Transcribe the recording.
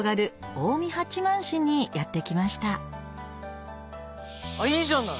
近江八幡市にやって来ましたいいじゃない。